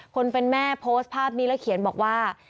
คนเป็นแม่โพสต์ภาพนี้แล้วเขียนบอกว่า